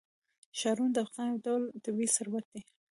ښارونه د افغانستان یو ډول طبعي ثروت دی.